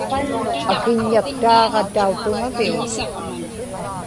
akiññaktaaġa tautuŋaviuŋ